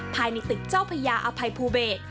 ภายในตึกเจ้าพญาอภัยภูเบศ